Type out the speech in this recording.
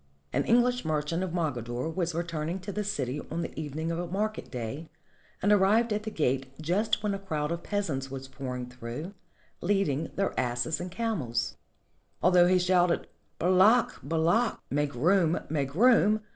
An English merchant of Mogador was returning to the city on the evening of a market day, and arrived at the gate just when a crowd of peasants were pouring through, leading their asses and camels. Although he shouted "Bal ak! Bal ak!" (Make room! Make room!)